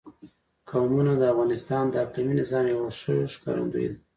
قومونه د افغانستان د اقلیمي نظام یوه ښه ښکارندوی ده.